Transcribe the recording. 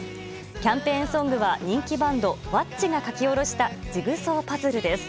キャンペーンソングは人気バンドｗａｃｃｉが書き下ろした「ジグソーパズル」です。